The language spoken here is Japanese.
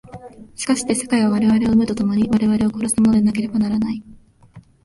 しかして世界は我々を生むと共に我々を殺すものでなければならない。